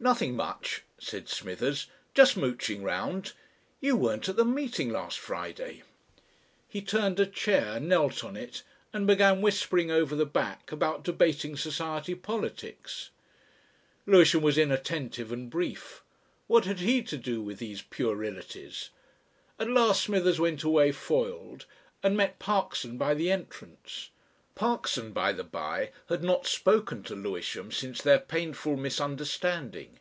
"Nothing much," said Smithers, "just mooching round. You weren't at the meeting last Friday?" He turned a chair, knelt on it, and began whispering over the back about Debating Society politics. Lewisham was inattentive and brief. What had he to do with these puerilities? At last Smithers went away foiled, and met Parkson by the entrance. Parkson, by the bye, had not spoken to Lewisham since their painful misunderstanding.